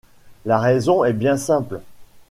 La raison est bien simple.